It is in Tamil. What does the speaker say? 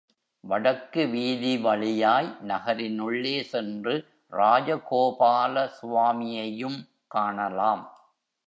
வடக்கு வீதி வழியாய் நகரின் உள்ளே சென்று ராஜகோபால சுவாமியையும் காணலாம்.